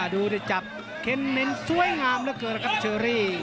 ดูจะจับเค็มเม้นสวยงามเหลือเกินแล้วครับเชอรี่